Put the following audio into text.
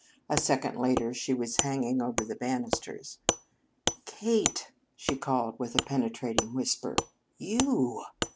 A second later she was hanging over the banisters. "Kate!" she called with a penetrating whisper. "You!"